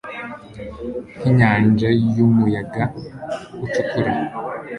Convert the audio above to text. Nk inyanja y umuyaga ucukura